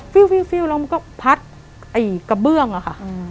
ฟิวแล้วมันก็พัดไอ้กระเบื้องอะค่ะ